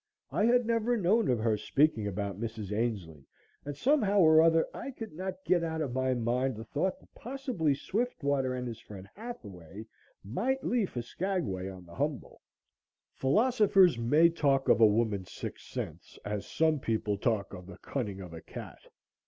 I had never known of her speaking about Mrs. Ainslee and somehow or other I could not get out of my mind the thought that possibly Swiftwater and his friend Hathaway might leave for Skagway on the "Humboldt." Philosophers may talk of a woman's sixth sense as some people talk of the cunning of a cat.